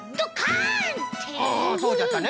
そうじゃったね。